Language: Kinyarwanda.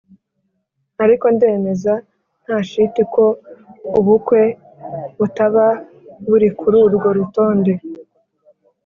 Ariko ndemeza nta shiti ko ubukwe butaba buri kuri urwo rutonde.